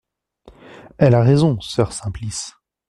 Elle a raison, soeur Simplice.